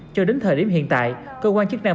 cho đến thời điểm hiện tại cơ quan chức năng